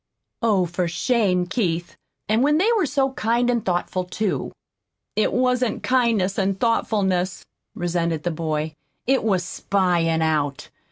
"Oh, for shame, Keith! and when they were so kind and thoughtful, too!" "It wasn't kindness and thoughtfulness," resented the boy. "It was spying out.